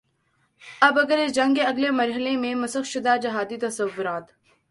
اب اگر اس جنگ کے اگلے مرحلے میں مسخ شدہ جہادی تصورات